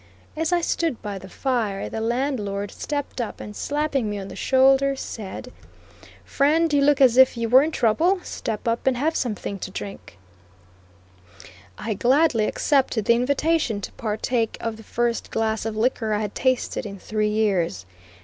As I stood by the fire, the landlord stepped up and slapping me on the shoulder, said: "Friend, you look as if you were in trouble; step up and have something to drink." I gladly accepted the invitation to partake of the first glass of liquor I had tasted in three years.